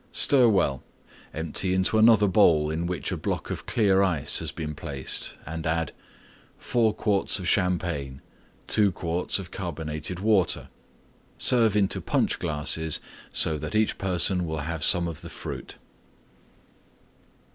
Stir well; empty into another bowl in which a block of Clear Ice has been placed and add: 4 quarts of Champagne. 2 quarts Carbonated Water. Serve into Punch glasses so that each person will have some of the Fruit.